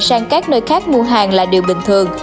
sang các nơi khác mua hàng là điều bình thường